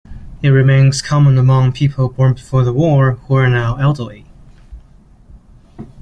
It remains common among people born before the war, who are now elderly.